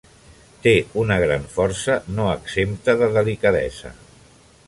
Té una gran força, no exempta de delicadesa.